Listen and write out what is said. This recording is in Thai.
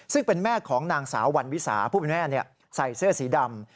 ซึ่งเป็นแม่ของนางสาววันวิสาผู้เป็นแม่ใส่เสื้อสีดำ